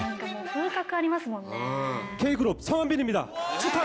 風格ありますもんね。